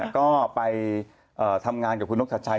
ก็ไปทำงานกับคุณนกชัดชัย